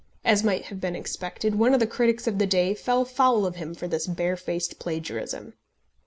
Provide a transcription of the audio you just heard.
As might have been expected, one of the critics of the day fell foul of him for this barefaced plagiarism.